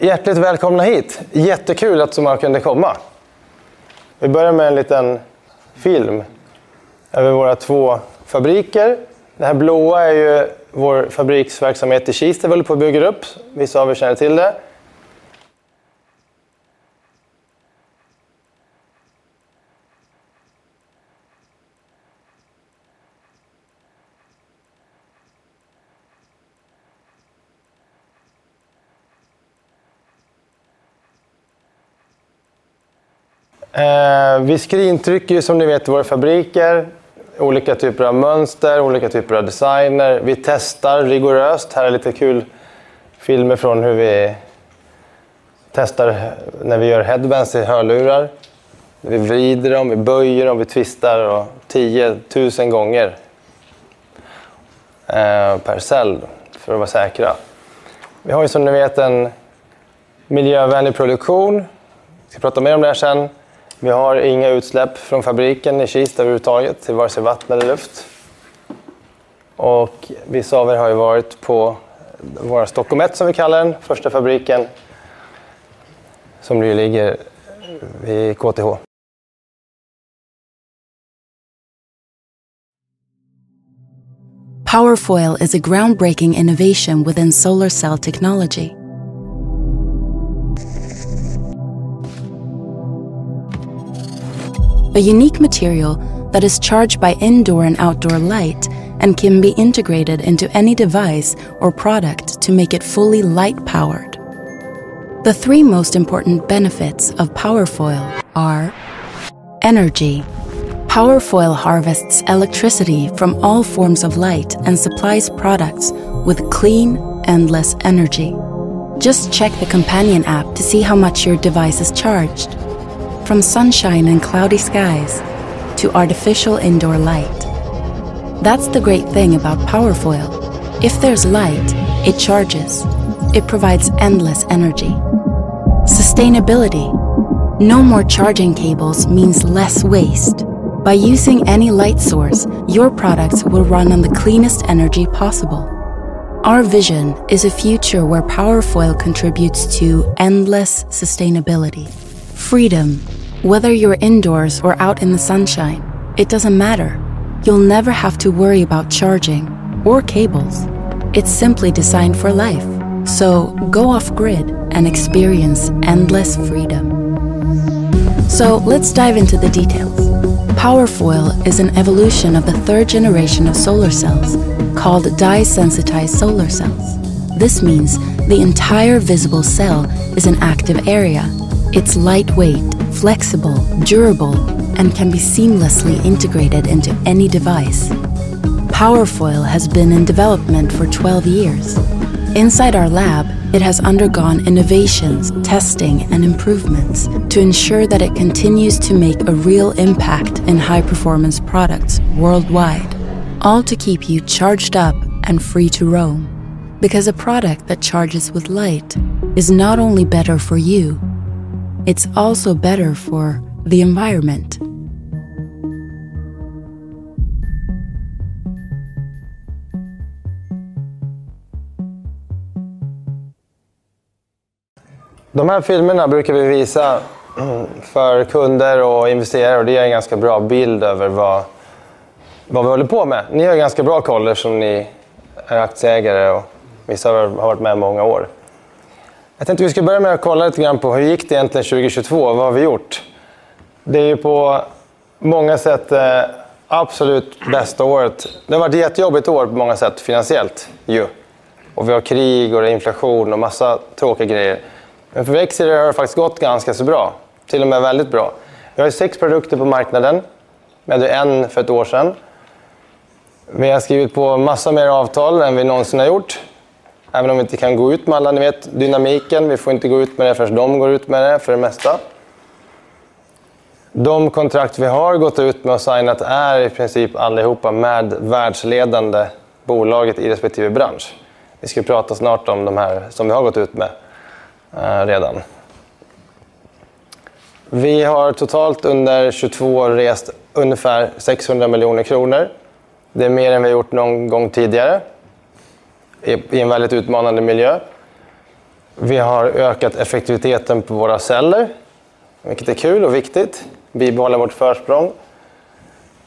Hjärtligt välkomna hit. Jättekul att så många kunde komma. Vi börjar med en liten film över våra två fabriker. Det här blåa är ju vår fabriksverksamhet i Kista håller på att bygga upp. Vissa av er känner till det. Vi skrintrycker som ni vet i våra fabriker olika typer av mönster, olika typer av designer. Vi testar rigoröst. Här är lite kul filmer från hur vi testar när vi gör headbands i hörlurar. Vi vrider dem, vi böjer dem, vi twistar och 10,000 gånger per cell för att vara säkra. Vi har ju som ni vet en miljövänlig produktion. Vi ska prata mer om det här sen. Vi har inga utsläpp från fabriken i Kista överhuvudtaget till vare sig vatten eller luft. Vissa av er har ju varit på vår Stockholm ett som vi kallar den, första fabriken som ju ligger vid KTH. Powerfoyle is a groundbreaking innovation within solar cell technology. A unique material that is charged by indoor and outdoor light and can be integrated into any device or product to make it fully light powered. The three most important benefits of Powerfoyle are: Energy. Powerfoyle harvests electricity from all forms of light and supplies products with clean endless energy. Just check the companion app to see how much your device is charged. From sunshine and cloudy skies to artificial indoor light. That's the great thing about Powerfoyle. If there's light, it charges. It provides endless energy. Sustainability. No more charging cables means less waste. By using any light source, your products will run on the cleanest energy possible. Our vision is a future where Powerfoyle contributes to endless sustainability. Freedom. Whether you're indoors or out in the sunshine, it doesn't matter. You'll never have to worry about charging or cables. It's simply designed for life. Go off grid and experience endless freedom. Let's dive into the details. Powerfoyle is an evolution of the third generation of solar cells called dye-sensitized solar cells. This means the entire visible cell is an active area. It's lightweight, flexible, durable, and can be seamlessly integrated into any device. Powerfoyle has been in development for 12 years. Inside our lab, it has undergone innovations, testing and improvements to ensure that it continues to make a real impact in high-performance products worldwide. All to keep you charged up and free to roam. A product that charges with light is not only better for you, it's also better for the environment. De här filmerna brukar vi visa för kunder och investerare. Det ger en ganska bra bild över vad vi håller på med. Ni har ju ganska bra koll eftersom ni är aktieägare och vissa har varit med i många år. Jag tänkte vi ska börja med att kolla lite grann på hur gick det egentligen 2022? Vad har vi gjort? Det är ju på många sätt absolut bästa året. Det har varit ett jättejobbigt år på många sätt finansiellt ju. Vi har krig och det är inflation och massa tråkiga grejer. För Exeger har det faktiskt gått ganska så bra. Till och med väldigt bra. Vi har ju 6 produkter på marknaden. Vi hade 1 för ett år sedan. Vi har skrivit på massa mer avtal än vi någonsin har gjort. Även om vi inte kan gå ut med alla, ni vet dynamiken. Vi får inte gå ut med det förrän de går ut med det för det mesta. De kontrakt vi har gått ut med och signat är i princip allihopa med världsledande bolaget i respektive bransch. Vi ska prata snart om de här som vi har gått ut med redan. Vi har totalt under 2022 rest ungefär 600 million kronor. Det är mer än vi har gjort någon gång tidigare i en väldigt utmanande miljö. Vi har ökat effektiviteten på våra celler, vilket är kul och viktigt. Bibehåller vårt försprång.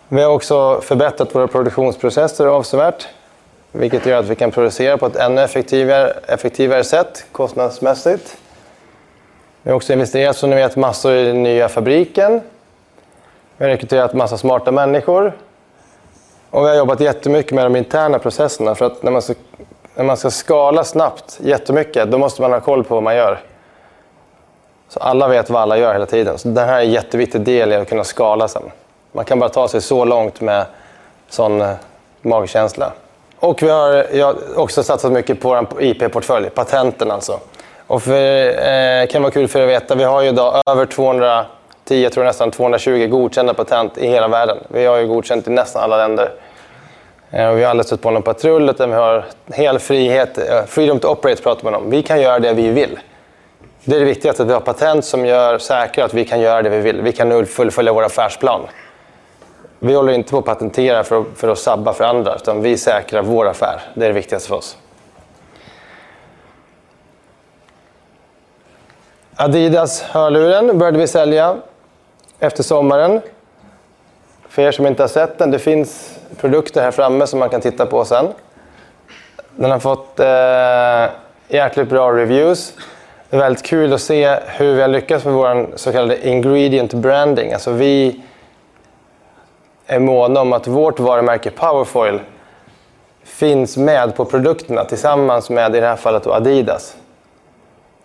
Vi har också förbättrat våra produktionsprocesser avsevärt, vilket gör att vi kan producera på ett ännu effektivare sätt kostnadsmässigt. Vi har också investerat som ni vet massor i den nya fabriken. Vi har rekryterat massa smarta människor. Vi har jobbat jättemycket med de interna processerna för att när man ska skala snabbt jättemycket, då måste man ha koll på vad man gör. Alla vet vad alla gör hela tiden. Det här är en jätteviktig del i att kunna skala sen. Man kan bara ta sig så långt med sån magkänsla. Vi har också satsat mycket på vår IP-portfölj, patenten alltså. För er kan det vara kul för er att veta. Vi har ju i dag över 210, jag tror nästan 220 godkända patent i hela världen. Vi har ju godkänt i nästan alla länder. Vi har alldeles utom patrull, vi har hel frihet. Freedom to operate pratar man om. Vi kan göra det vi vill. Det är det viktigaste, att vi har patent som gör säkert att vi kan göra det vi vill. Vi kan fullfölja vår affärsplan. Vi håller inte på att patentera för att sabba för andra, utan vi säkrar vår affär. Det är det viktigaste för oss. adidas hörluren började vi sälja efter sommaren. För er som inte har sett den, det finns produkter här framme som man kan titta på sen. Den har fått jäkligt bra reviews. Det är väldigt kul att se hur vi har lyckats med vår så kallade ingredient branding. Alltså, vi är måna om att vårt varumärke Powerfoyle finns med på produkterna tillsammans med i det här fallet då adidas.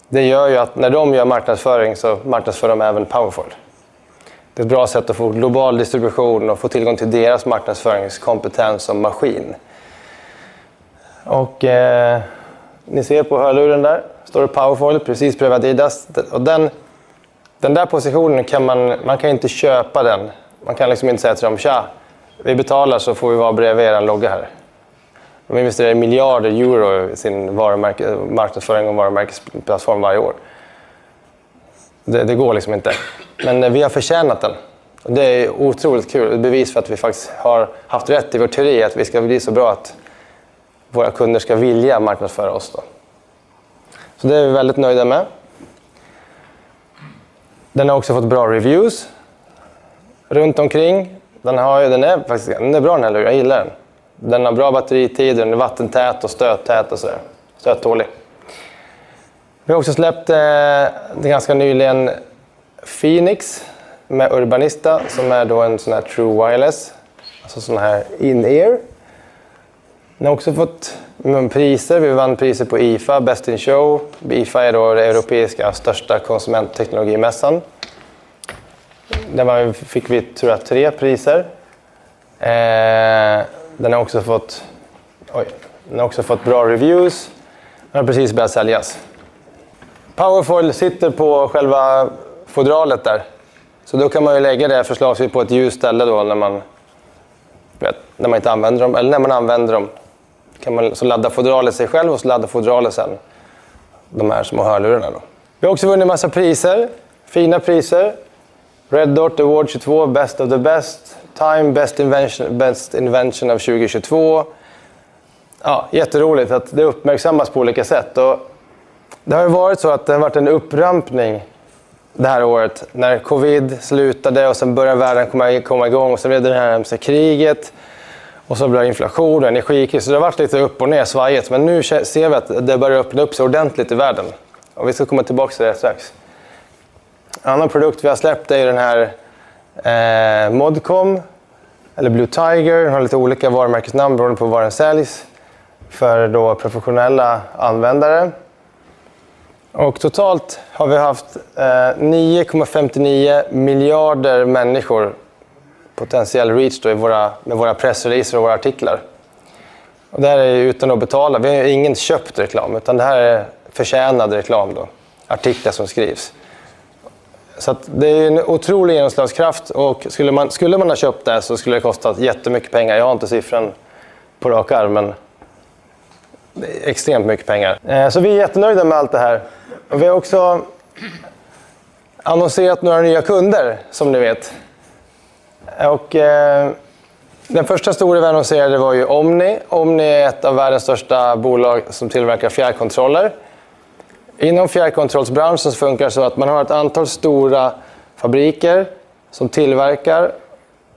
Det gör ju att när de gör marknadsföring så marknadsför de även Powerfoyle. Det är ett bra sätt att få global distribution och få tillgång till deras marknadsföringskompetens som maskin. Ni ser på hörluren där står det Powerfoyle, precis bredvid adidas. Den, den där positionen kan man, kan inte köpa den. Man kan liksom inte säga till dem: "Tja, vi betalar så får vi vara bredvid eran logga här". De investerar miljarder EUR i sin varumärke, marknadsföring och varumärkesplattform varje år. Det går liksom inte. Vi har förtjänat den. Det är otroligt kul. Bevis för att vi faktiskt har haft rätt i vår teori att vi ska bli så bra att våra kunder ska vilja marknadsföra oss då. Det är vi väldigt nöjda med. Den har också fått bra reviews, runt omkring. Den har ju, den är faktiskt, den är bra den här hörluren, jag gillar den. Den har bra batteritid, den är vattentät och stöttät och sådär. Stöttålig. Vi har också släppt ganska nyligen Phoenix med Urbanista som är då en sån här true wireless, alltså sån här in ear. Den har också fått priser. Vi vann priser på IFA Best in Show. IFA är då den europeiska största konsumentteknologimässan. Där var ju, fick vi tror jag 3 priser. Den har också fått bra reviews. Den har precis börjat säljas. Powerfoyle sitter på själva fodralet där. Då kan man ju lägga det förslagsvis på ett ljust ställe då när man inte använder dem eller när man använder dem. Laddar fodralet sig själv och så laddar fodralet sen de här som har hörlurarna då. Vi har också vunnit en massa priser, fina priser. Red Dot Award 2022, Best of the Best, Time Best Invention av 2022. Jätteroligt att det uppmärksammas på olika sätt. Det har ju varit så att det har varit en upprampning det här året när COVID slutade och sen började världen komma i gång och sen blev det det här jämsta kriget och så blev det inflation, energikris. Det har varit lite upp och ner, svajigt, men nu ser vi att det börjar öppna upp sig ordentligt i världen. Vi ska komma tillbaks till det alldeles strax. En annan produkt vi har släppt är den här Modcom eller Blue Tiger. Har lite olika varumärkesnamn beror på var den säljs för då professionella användare. Totalt har vi haft 9.59 miljarder människor potentiell reach då med våra pressreleaser och våra artiklar. Det här är utan att betala. Vi har ingen köpt reklam, utan det här är förtjänad reklam då, artiklar som skrivs. Det är en otrolig genomslagskraft och skulle man ha köpt det så skulle det kostat jättemycket pengar. Jag har inte siffran på rak arm, men extremt mycket pengar. Vi är jättenöjda med allt det här. Vi har också annonserat några nya kunder som ni vet. Den första stora vi annonserade var ju Omni. Omni är ett av världens största bolag som tillverkar fjärrkontroller. Inom fjärrkontrollbranschen funkar det så att man har ett antal stora fabriker som tillverkar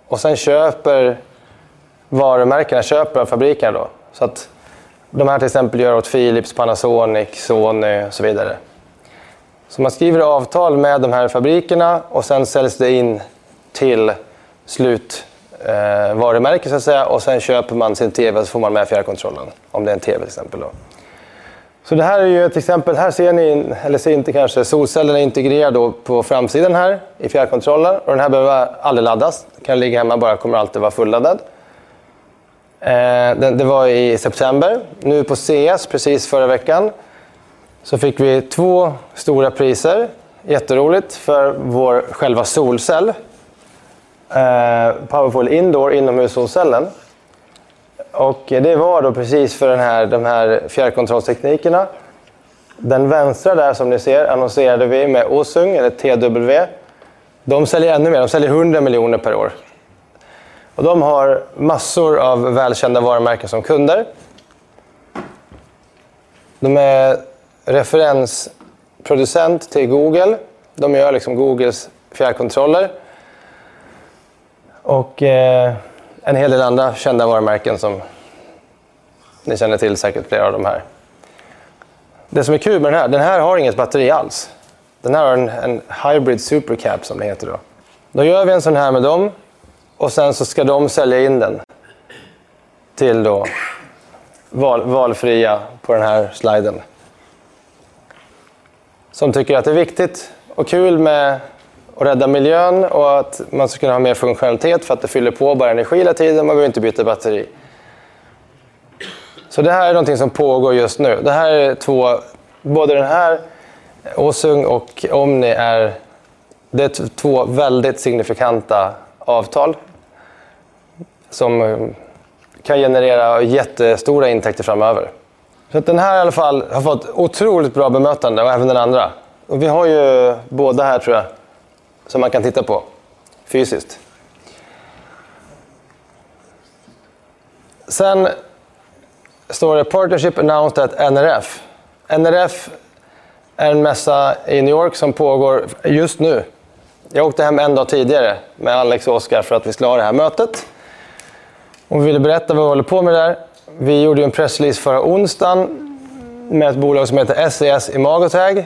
och sen köper varumärkena, köper av fabriker då. De här till exempel gör åt Philips, Panasonic, Sony och så vidare. Man skriver avtal med de här fabrikerna och sen säljs det in till slut varumärke så att säga. Man köper man sin TV och så får man med fjärrkontrollen. Om det är en TV till exempel då. Det här är ju till exempel, här ser ni, eller ser inte kanske, solcellerna är integrerade då på framsidan här i fjärrkontrollen. Den här behöver aldrig laddas. Kan ligga hemma bara, kommer alltid vara fulladdad. Den, det var i september. Nu på CES, precis förra veckan, fick vi 2 stora priser. Jätteroligt, för vår, själva solcell, Powerfoyle Indoor, inomhussolcellen. Det var då precis för den här, de här fjärrkontrollteknikerna. Den vänstra där som ni ser annonserade vi med OHSUNG eller TW. De säljer ännu mer, de säljer 100 miljoner SEK per år. De har massor av välkända varumärken som kunder. De är referensproducent till Google. De gör liksom Googles fjärrkontroller. En hel del andra kända varumärken som ni känner till, säkert flera av de här. Det som är kul med den här, den här har inget batteri alls. Den här har en hybrid supercap som det heter då. Vi gör en sådan här med dem och sen så ska de sälja in den till då valfria på den här sliden. Tycker att det är viktigt och kul med att rädda miljön och att man ska kunna ha mer funktionalitet för att det fyller på bara energi hela tiden. Man går inte och byter batteri. Det här är någonting som pågår just nu. Det här är två, både den här OHSUNG och Omni är två väldigt signifikanta avtal som kan generera jättestora intäkter framöver. Den här i alla fall har fått otroligt bra bemötande och även den andra. Vi har ju båda här tror jag, som man kan titta på fysiskt. Står det "Partnership Announced at NRF". NRF är en mässa i New York som pågår just nu. Jag åkte hem en dag tidigare med Alex och Oscar för att vi skulle ha det här mötet. Vi ville berätta vad vi håller på med där. Vi gjorde ju en press release förra onsdagen med ett bolag som heter SES-imagotag.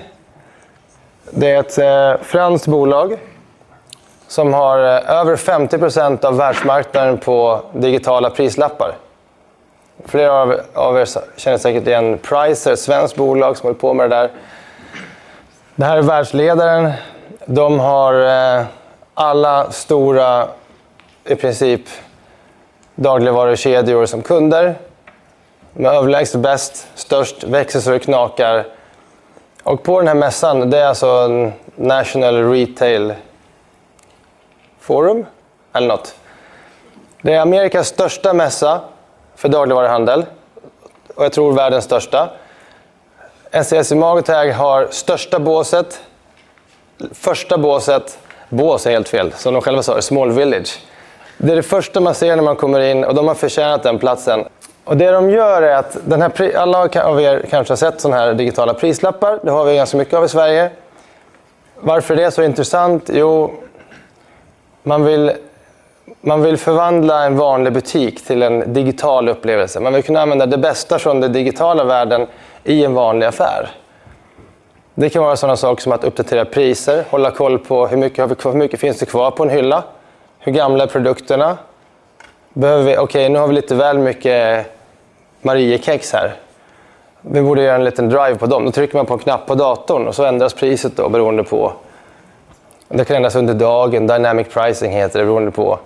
Det är ett franskt bolag som har över 50% av världsmarknaden på digitala prislappar. Flera av er känner säkert igen Pricer, ett svenskt bolag som håller på med det där. Det här är världsledaren. De har alla stora, i princip, dagligvarukedjor som kunder. De är överlägset bäst, störst, växer så det knakar. På den här mässan, det är alltså en National Retail Forum? Eller något. Det är America's största mässa för dagligvaruhandel. Jag tror världens största. SES-imagotag har största båset, första båset. Bås är helt fel. Som de själva sa, "a small village". Det är det första man ser när man kommer in och de har förtjänat den platsen. Det de gör är att alla av er kanske har sett sådana här digitala prislappar. Det har vi ganska mycket av i Sverige. Varför är det så intressant? Man vill förvandla en vanlig butik till en digital upplevelse. Man vill kunna använda det bästa från den digitala världen i en vanlig affär. Det kan vara sådana saker som att uppdatera priser, hålla koll på "hur mycket har vi, hur mycket finns det kvar på en hylla? Hur gamla är produkterna? Behöver vi, okej, nu har vi lite väl mycket Mariekex här. Vi borde göra en liten drive på dem". Trycker man på en knapp på datorn så ändras priset då beroende på. Det kan ändras under dagen, dynamic pricing heter det, beroende på.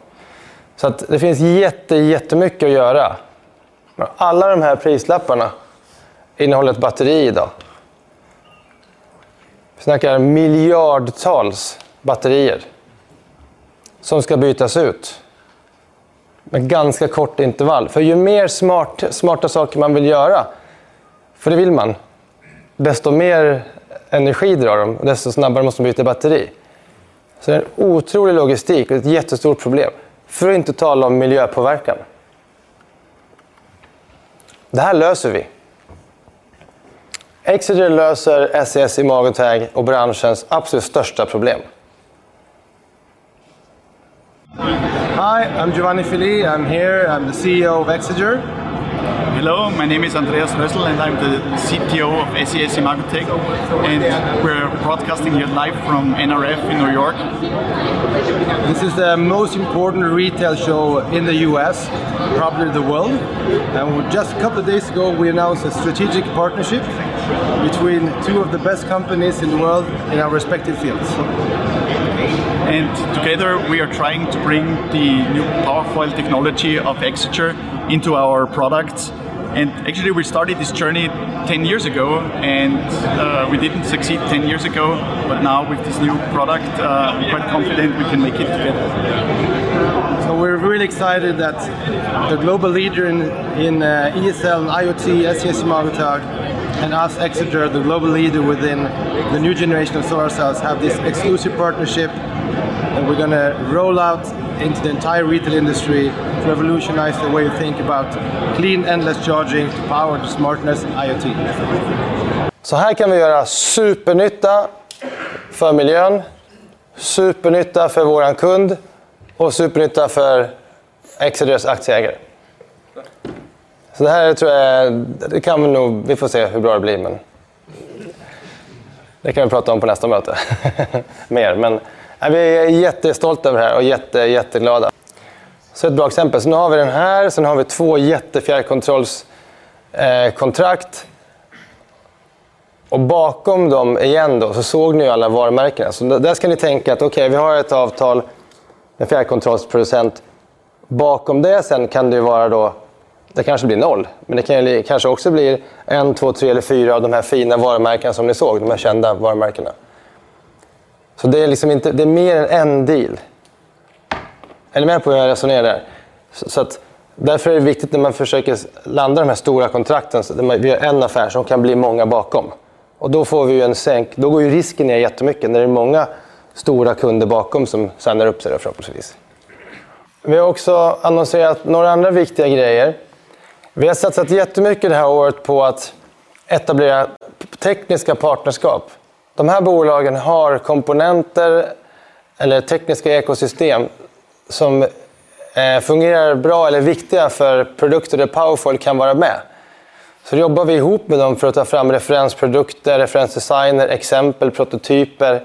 Att det finns jättemycket att göra. Alla de här prislapparna innehåller ett batteri i dag. Vi snackar miljardtals batterier som ska bytas ut med ganska kort intervall. Ju mer smarta saker man vill göra, för det vill man, desto mer energi drar de, desto snabbare måste man byta batteri. Det är en otrolig logistik och ett jättestort problem. Att inte tala om miljöpåverkan. Det här löser vi. Exeger löser SES-imagotag och branschens absolut största problem. Hi, I'm Giovanni Fili. I'm here, I'm the CEO of Exeger. Hello, my name is Andreas Rössl and I'm the CTO of SES-imagotag. We're broadcasting here live from NRF in New York. This is the most important retail show in the U.S., probably the world. Just a couple of days ago, we announced a strategic partnership between 2 of the best companies in the world in our respective fields. Together, we are trying to bring the new powerful technology of Exeger into our products. Actually, we started this journey 10 years ago and we didn't succeed 10 years ago. Now with this new product, I'm quite confident we can make it together. We're really excited that the global leader in ESL, IoT, SES-imagotag, and us, Exeger, the global leader within the new generation of solar cells, have this exclusive partnership. We're going to roll out into the entire retail industry to revolutionize the way you think about clean, endless charging, power, smartness, IoT. Här kan vi göra supernytta för miljön, supernytta för vår kund och supernytta för Exeger's aktieägare. Det här tror jag, det kan vi nog, vi får se hur bra det blir. Det kan vi prata om på nästa möte mer. Vi är jättestolta över det här och jätteglada. Ett bra exempel. Vi har den här, vi har 2 jättefjärrkontrollskontrakt. Bakom dem igen då så såg ni alla varumärkena. Där ska ni tänka att okej, vi har ett avtal med en fjärrkontrollsproducent. Bakom det sen kan det ju vara då, det kanske blir 0, men det kan ju bli, kanske också blir 1, 2, 3 eller 4 av de här fina varumärkena som ni såg, de här kända varumärkena. Det är liksom inte, det är mer än 1 deal. Är ni med på hur jag resonerar där? Därför är det viktigt när man försöker landa de här stora kontrakten. Vi har en affär som kan bli många bakom. Då går ju risken ner jättemycket. När det är många stora kunder bakom som sandar upp sig då förhoppningsvis. Vi har också annonserat några andra viktiga grejer. Vi har satsat jättemycket det här året på att etablera tekniska partnerskap. De här bolagen har komponenter eller tekniska ekosystem som fungerar bra eller är viktiga för produkter där Powerfoyle kan vara med. Jobbar vi ihop med dem för att ta fram referensprodukter, referensdesigner, exempel, prototyper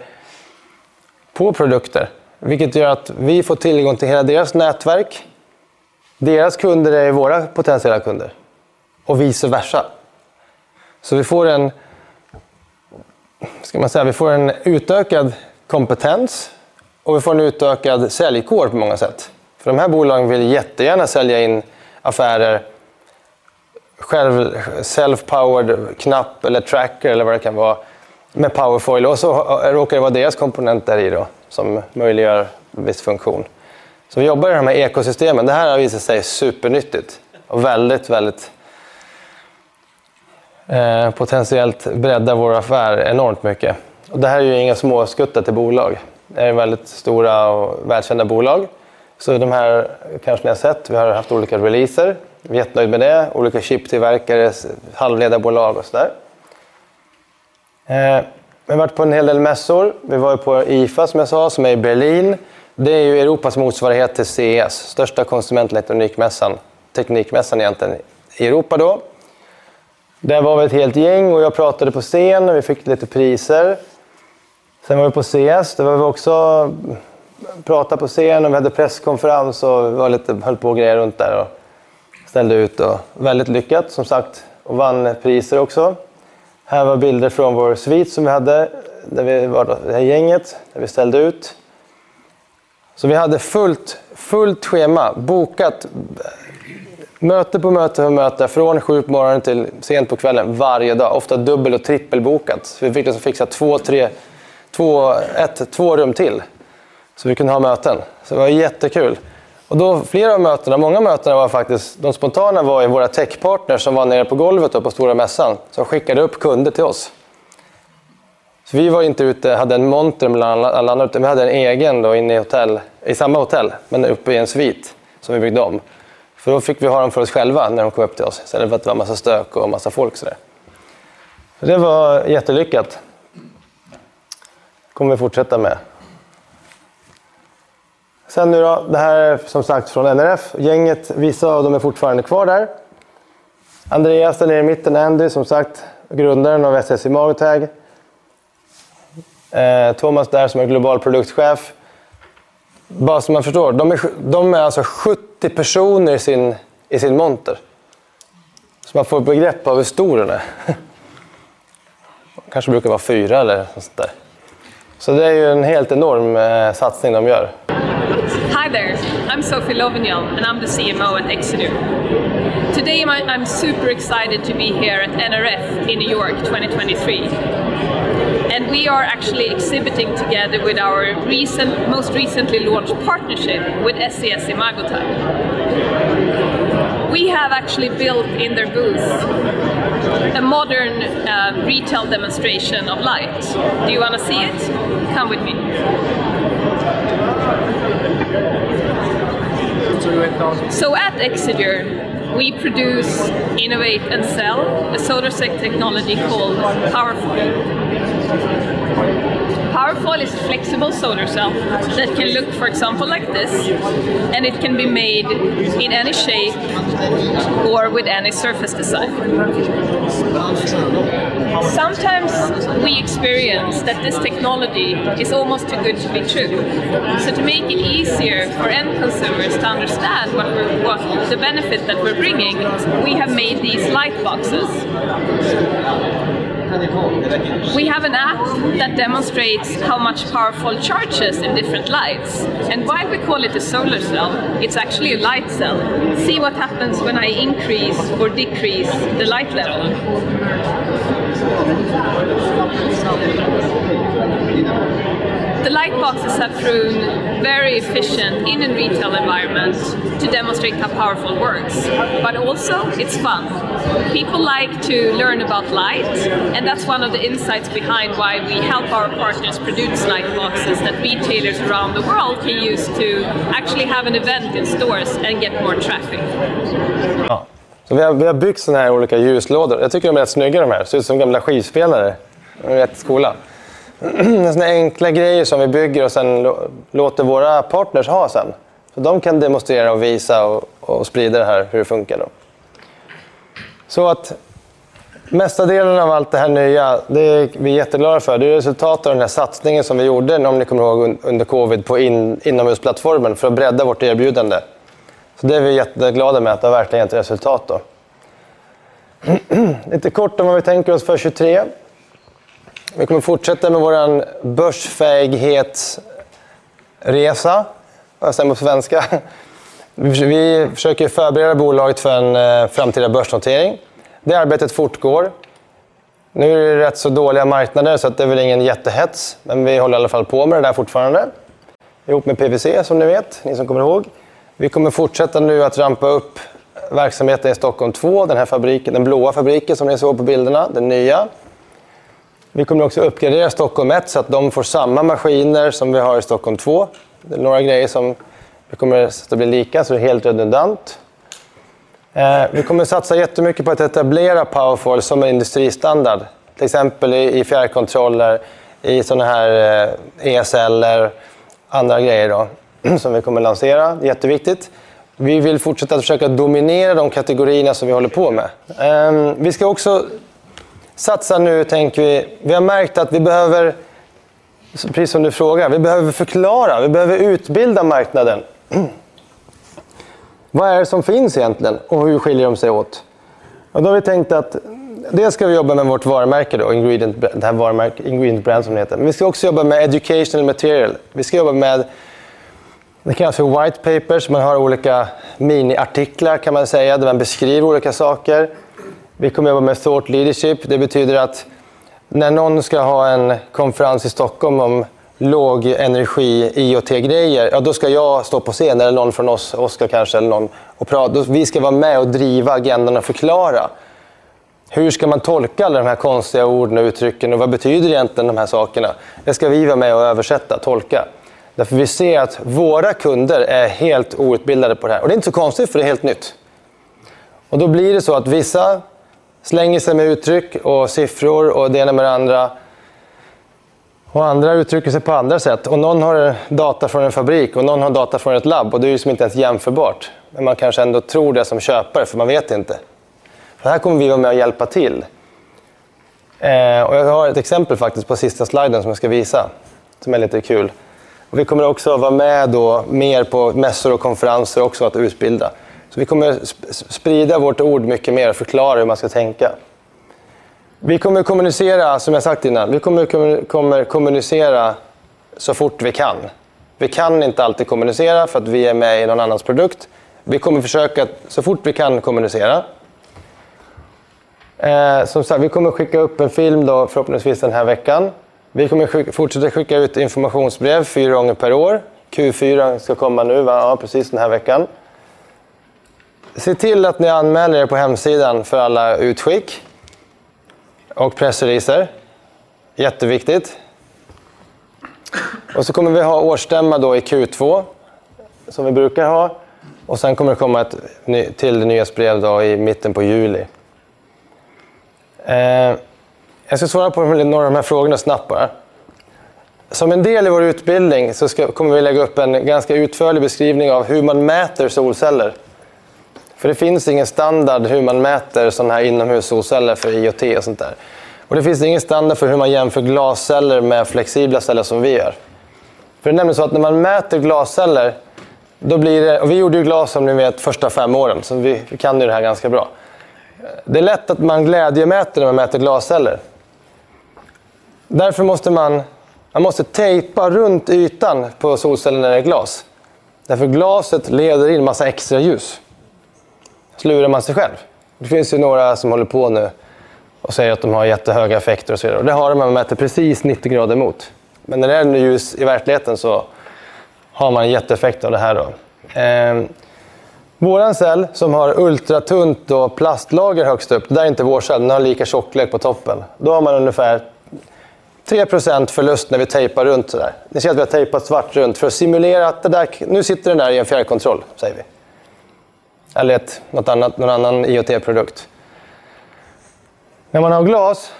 på produkter, vilket gör att vi får tillgång till hela deras nätverk. Deras kunder är ju våra potentiella kunder och vice versa. Vi får en, vad ska man säga? Vi får en utökad kompetens och vi får en utökad säljkår på många sätt. För de här bolagen vill jättegärna sälja in Self-powered knapp eller tracker eller vad det kan vara med Powerfoyle. Så råkar det vara deras komponent där i då som möjliggör en viss funktion. Vi jobbar i de här ekosystemen. Det här har visat sig supernyttigt och väldigt potentiellt breddar vår affär enormt mycket. Det här är ju inga småskuttar till bolag. Det är väldigt stora och välkända bolag. De här kanske ni har sett. Vi har haft olika releaser. Vi är jättenöjd med det. Olika chiptillverkare, halvledarbolag och sådär. Vi har varit på en hel del mässor. Vi var ju på IFA som jag sa, som är i Berlin. Det är ju Europas motsvarighet till CES, största konsumentelektronikmässan, teknikmässan egentligen i Europa då. Där var vi ett helt gäng och jag pratade på scen och vi fick lite priser. Vi var på CES. we were also, pratade på scen and we had presskonferens and we were lite, höll på och grejade runt där and ställde ut. Väldigt lyckat som sagt and won priser also. Här var bilder från vår svit som we had when we were det här gänget, when we ställde ut. we had full schema bokat. Möte på möte på möte from 7 på morgonen till sent på kvällen varje dag, ofta dubbel- och trippelbokat. we fick alltså fixa 2, 3, 2, 1, 2 rum till. we kunde ha möten. det var jättekul. många av mötena var faktiskt, de spontana var ju våra techpartners som var nere på golvet då på stora mässan som skickade upp kunder till oss. Vi var inte ute, hade en monter mellan alla andra, utan vi hade en egen då inne i hotell, i samma hotell, men uppe i en svit som vi byggde om. Då fick vi ha dem för oss själva när de kom upp till oss. Istället för att det var en massa stök och en massa folk sådär. Det var jättelyckat. Kommer vi fortsätta med. Nu då, det här är som sagt från NRF. Gänget, vissa av dem är fortfarande kvar där. Andreas där nere i mitten, Andy, som sagt, grundaren av SES-imagotag. Thomas där som är global produktchef. Bara så man förstår, de är alltså 70 personer i sin, i sin monter. Man får begrepp av hur stor den är. Kanske brukar vara 4 eller något sånt där. Det är ju en helt enorm satsning de gör. Hi there, I'm Sofie Löwenhielm and I'm the CMO at Exeger. Today I'm super excited to be here at NRF in New York 2023. We are actually exhibiting together with our recent, most recently launched partnership with SES-imagotag. We have actually built in their booth a modern retail demonstration of light. Do you wanna see it? Come with me. At Exeger, we produce, innovate and sell a solar cell technology called Powerfoyle. Powerfoyle is a flexible solar cell that can look for example like this, and it can be made in any shape or with any surface design. Sometimes we experience that this technology is almost too good to be true. To make it easier for end consumers to understand what the benefit that we're bringing, we have made these light boxes. We have an app that demonstrates how much Powerfoyle charges in different lights. Why we call it a solar cell? It's actually a light cell. See what happens when I increase or decrease the light level. The light boxes have proven very efficient in a retail environment to demonstrate how Powerfoyle works. Also, it's fun. People like to learn about light, and that's one of the insights behind why we help our partners produce light boxes that retailers around the world can use to actually have an event in stores and get more traffic. Vi har byggt sådana här olika ljuslådor. Jag tycker de är rätt snygga de här. Ser ut som gamla skivspelare. De är rätt coola. Sådana enkla grejer som vi bygger och sen låter våra partners ha sen. De kan demonstrera och visa och sprida det här hur det funkar då. Mesta delen av allt det här nya, det vi är jätteglada för, det är resultatet av den här satsningen som vi gjorde om ni kommer ihåg under COVID på inomhusplattformen för att bredda vårt erbjudande. Det är vi jätteglada med att det verkligen gett resultat då. Kort om vad vi tänker oss för 2023. Vi kommer fortsätta med vår börsfäghetsresa. Om jag säger på svenska. Vi försöker förbereda bolaget för en framtida börsnotering. Det arbetet fortgår. Nu är det rätt så dåliga marknader, så att det är väl ingen jättehets. Vi håller i alla fall på med det där fortfarande. Ihop med PwC som ni vet, ni som kommer ihåg. Vi kommer fortsätta nu att rampa upp verksamheten i Stockholm två, den här fabriken, den blåa fabriken som ni såg på bilderna, den nya. Vi kommer också uppgradera Stockholm ett så att de får samma maskiner som vi har i Stockholm två. Det är några grejer som det kommer att bli lika, så helt redundant. Vi kommer att satsa jättemycket på att etablera Powerfoyle som en industristandard, till exempel i fjärrkontroller, i sådana här ESL eller andra grejer då som vi kommer lansera. Jätteviktigt. Vi vill fortsätta att försöka dominera de kategorierna som vi håller på med. Vi ska också satsa nu tänker vi. Vi har märkt att vi behöver, precis som du frågar, vi behöver förklara, vi behöver utbilda marknaden. Vad är det som finns egentligen? Hur skiljer de sig åt? Vi har tänkt att dels ska vi jobba med vårt varumärke då, ingredient brand som det heter. Vi ska också jobba med educational material. Det kallas för white papers, man har olika miniartiklar kan man säga, där man beskriver olika saker. Vi kommer att jobba med thought leadership. Det betyder att när någon ska ha en konferens i Stockholm om lågenergi, IoT-grejer, ja då ska jag stå på scen eller någon från oss, Oskar kanske eller någon, och prata. Vi ska vara med och driva agendan och förklara hur ska man tolka alla de här konstiga orden och uttrycken och vad betyder egentligen de här sakerna? Det ska vi vara med och översätta, tolka. Vi ser att våra kunder är helt outbildade på det här. Det är inte så konstigt för det är helt nytt. Då blir det så att vissa slänger sig med uttryck och siffror och det ena med det andra och andra uttrycker sig på andra sätt. Någon har data från en fabrik och någon har data från ett labb och det är ju som inte ens jämförbart. Man kanske ändå tror det som köpare för man vet inte. Här kommer vi att vara med och hjälpa till. Jag har ett exempel faktiskt på sista sliden som jag ska visa som är lite kul. Vi kommer också att vara med då mer på mässor och konferenser också att utbilda. Vi kommer sprida vårt ord mycket mer och förklarar hur man ska tänka. Vi kommer att kommunicera, som jag sagt innan, vi kommer kommunicera så fort vi kan. Vi kan inte alltid kommunicera för att vi är med i någon annans produkt. Vi kommer försöka att så fort vi kan kommunicera. Som sagt, vi kommer skicka upp en film då förhoppningsvis den här veckan. Vi kommer att fortsätta skicka ut informationsbrev four gånger per år. Q4 ska komma nu va? Ja, precis den här veckan. Se till att ni anmäler er på hemsidan för alla utskick och pressreleaser. Jätteviktigt. Vi kommer att ha årsstämma då i Q2 som vi brukar ha och sen kommer det komma ett till nyhetsbrev då i mitten på juli. Jag ska svara på några av de här frågorna snabbt bara. Som en del i vår utbildning kommer vi lägga upp en ganska utförlig beskrivning av hur man mäter solceller. Det finns ingen standard hur man mäter sådana här inomhus solceller för IoT och sånt där. Det finns ingen standard för hur man jämför glasceller med flexibla celler som vi gör. Det är nämligen så att när man mäter glasceller, då blir det... Vi gjorde ju glas som ni vet första 5 åren. Vi kan ju det här ganska bra. Det är lätt att man glädjemäter när man mäter glasceller. Därför måste man måste tejpa runt ytan på solcellen när det är glas. Därför glaset leder in en massa extra ljus. Lurar man sig själv. Det finns ju några som håller på nu och säger att de har jättehöga effekter och så vidare. Det har de när man mäter precis 90 grader emot. När det är nu ljus i verkligheten så har man en jätteeffekt av det här då. våran cell som har ultratunt och plastlager högst upp, det där är inte vår cell. Den har lika tjocklek på toppen. Man har ungefär 3% förlust när vi tejpar runt sådär. Ni ser att vi har tejpat svart runt för att simulera att det där, nu sitter den där i en fjärrkontroll säger vi. Eller något annat, någon annan IoT-produkt. Man har glas,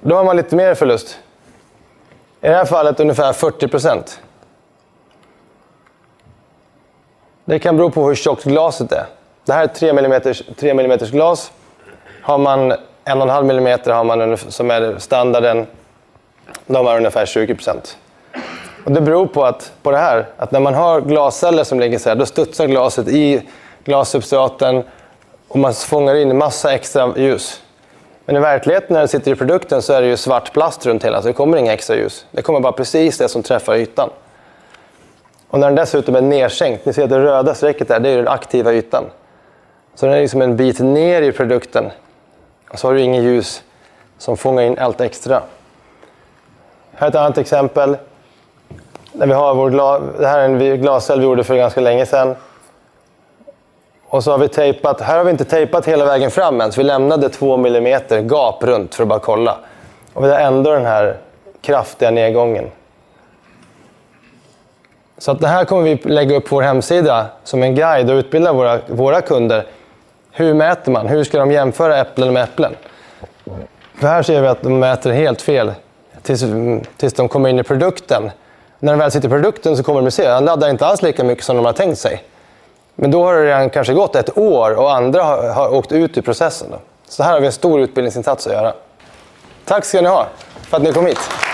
då har man lite mer förlust. I det här fallet ungefär 40%. Det kan bero på hur tjockt glaset är. Det här är 3 millimeters glas. Har man 1.5 millimeters har man ungefär, som är standarden, då har man ungefär 20%. Det beror på det här, att när man har glasceller som ligger såhär, då studsar glaset i glassubstraten och man fångar in en massa extra ljus. I verkligheten när det sitter i produkten så är det ju svart plast runt hela, så det kommer inga extra ljus. Det kommer bara precis det som träffar ytan. När den dessutom är nersänkt, ni ser att det röda strecket där, det är den aktiva ytan. Den är liksom en bit ner i produkten. Har du inget ljus som fångar in allt extra. Här är ett annat exempel när vi har vårt, det här är en glascell vi gjorde för ganska länge sedan. Vi har tejpat, här har vi inte tejpat hela vägen fram än, så vi lämnade 2 millimeter gap runt för att bara kolla. Vi har ändå den här kraftiga nedgången. Det här kommer vi lägga upp på vår hemsida som en guide och utbilda våra kunder: hur mäter man? Hur ska de jämföra äpplen med äpplen? Här ser vi att de mäter helt fel tills de kommer in i produkten. När den väl sitter i produkten så kommer de se, den laddar inte alls lika mycket som de har tänkt sig. Då har det redan kanske gått ett år och andra har åkt ut ur processen då. Här har vi en stor utbildningsinsats att göra. Tack ska ni ha för att ni kom hit.